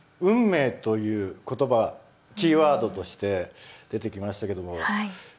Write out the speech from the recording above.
「運命」という言葉キーワードとして出てきましたけども。